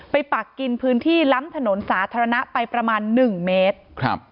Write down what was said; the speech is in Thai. ไปปักกินพื้นที่ล้ำถนนสาธารณะไปประมาณ๑เมตร